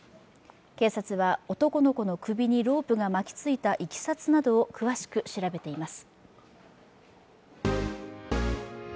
警察は男の子の首にロープが巻きついたいきさつなどを詳しく調べています。